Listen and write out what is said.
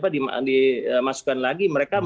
dimasukkan lagi mereka